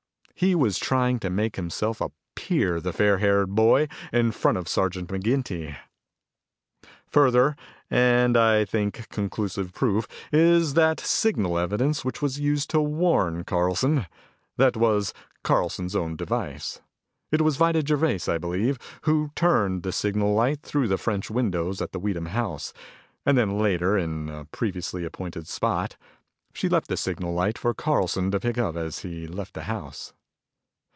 He was trying to make himself appear the fair haired boy in front of Sergeant McGinty. "Further, and I think conclusive proof, is that signal device which was used to 'warn' Carlson. That was Carlson's own device. It was Vida Gervais, I believe, who turned the signal light through the French windows at the Weedham house. And then later, in a previously appointed spot, she left the signal light for Carlson to pick up as he left the house.